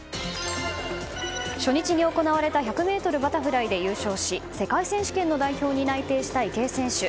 初日に行われた１００ｍバタフライで優勝し世界選手権の代表に内定した池江選手。